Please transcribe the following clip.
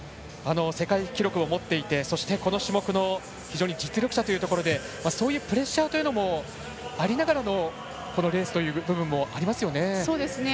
世界記録を持っていてこの種目の非常に実力者というところでプレッシャーというのもありながらのこのレースという部分もありますよね。